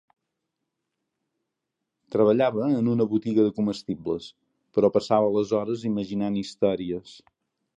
Treballava en una botiga de comestibles, però passava les hores imaginant històries.